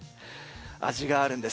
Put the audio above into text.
味があるんです。